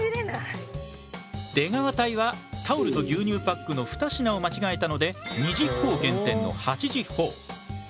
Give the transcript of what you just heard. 出川隊はタオルと牛乳パックの２品を間違えたので２０ほぉ減点の８０ほぉ。